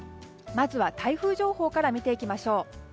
まずは台風情報から見ていきましょう。